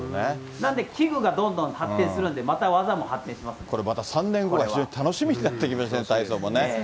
なんで、器具がどんどん発展するこれまた３年後が非常に楽しみになってきますね、体操もね。